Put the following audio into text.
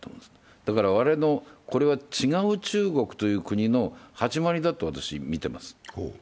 だからこれは違う中国という国の始まりだと私は見ています。